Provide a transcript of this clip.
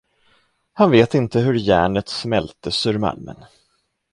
Han vet inte hur järnet smältes ur malmen.